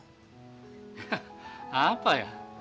hah apa ya